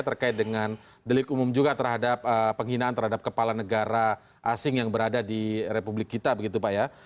terkait dengan delik umum juga terhadap penghinaan terhadap kepala negara asing yang berada di republik kita begitu pak ya